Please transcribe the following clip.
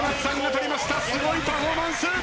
すごいパフォーマンス。